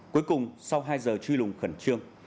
cuối cùng sau hai giờ truy lùng khẩn trương